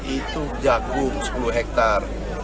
itu jagung sepuluh hektare